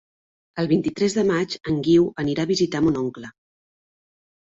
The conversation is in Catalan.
El vint-i-tres de maig en Guiu anirà a visitar mon oncle.